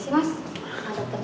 terima kasih mas